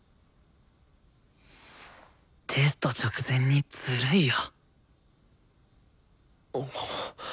テスト直前にずるいよ。